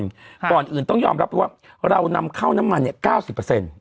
ก่อนอื่นต้องยอมรับว่าเรานำเข้าน้ำมันเนี่ยเก้าสิบเปอร์เซ็นต์